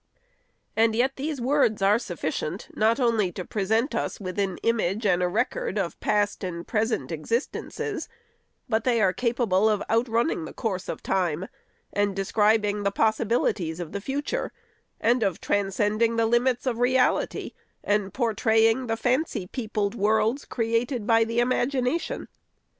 And yet these words are sufficient not only to present us with an image and a record of past and present existences, but they are capable of outrunning the course of time, and describing the possibilities of the future, and of transcending the limits of reality, and portraying the fancy peopled worlds created by the imagination.